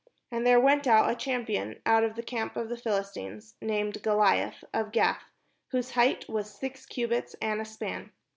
And there went out a champion out of the camp of the Pliilistines, named Goliath, of Gath, whose height was six cubits and a span.